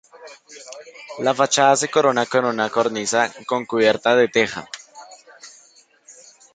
La fachada se corona con una cornisa con cubierta de teja.